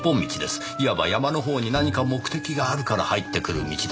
いわば山のほうに何か目的があるから入ってくる道です。